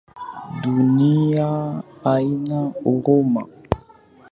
Dunia haina huruma